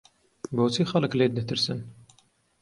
بۆچی خەڵک لێت دەترسن؟